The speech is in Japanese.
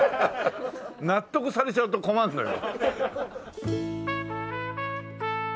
納得されちゃうと困るのよ。